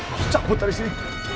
aduh cabut dari sini